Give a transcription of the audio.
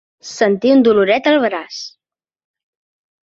Sentir un doloret al braç.